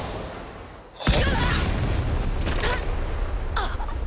あっ！